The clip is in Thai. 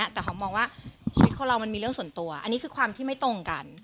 แต่หอมมองว่าชีวิตคนเรามันมีเรื่องส่วนตัวอันนี้คือความที่ไม่ตรงกัน